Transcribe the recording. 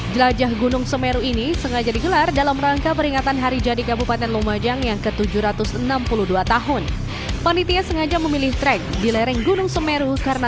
jelajah lereng semeru